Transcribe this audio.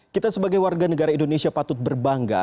kita sebagai warga negara indonesia patut berbangga